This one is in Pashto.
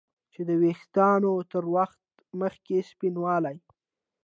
چې د ویښتانو تر وخته مخکې سپینوالی